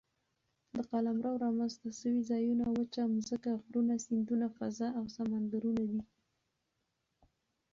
د قلمرو رامنځ ته سوي ځایونه وچه مځکه، غرونه، سیندونه، فضاء او سمندرونه دي.